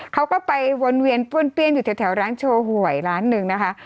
เขาก็ไปวนเวียนป้วนเปี้ยนอยู่แถวร้านโชว์หวยร้านหนึ่งนะคะ